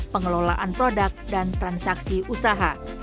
pengelolaan produk dan transaksi usaha